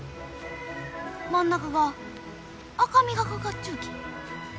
真ん中が赤みがかかっちゅうき。